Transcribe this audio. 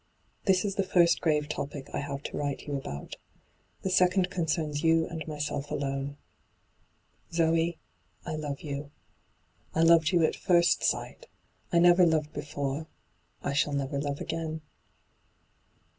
' This is the first grave topic I have to write you about. The second concerns you and myself alone. ' Zoe, I love you. I loved you at first 18—2 n,aN, .^hyG00glc 276 ENTRAPPED sight I never loved before — I shall never love again.